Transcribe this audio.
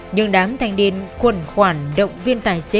nhưng đám thanh niên quần khoản động viên tài xế